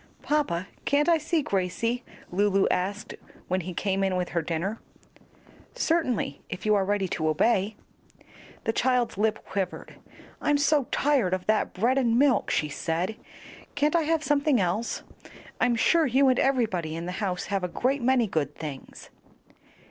"Papa, can't I see Gracie?" Lulu asked when he came in with her dinner. "Certainly, if you are ready to obey." The child's lip quivered. "I'm so tired of that bread and milk," she said. "Can't I have something else? I'm sure you and everybody in the house have a great many good things."